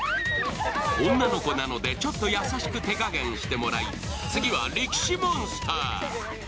女の子なので、ちょっと優しく手加減してもらい次は力士モンスター。